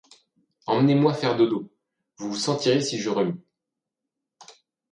Emmenez-moi faire dodo, vous sentirez si je remue.